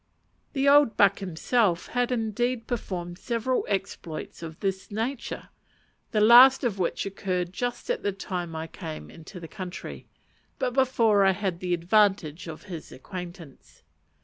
The old buck himself had, indeed, performed several exploits of this nature; the last of which occurred just at the time I came into the country, but before I had the advantage of his acquaintance.